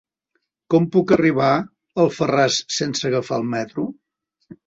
Com puc arribar a Alfarràs sense agafar el metro?